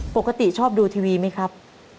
ปกติชอบดูทีวีไหมครับ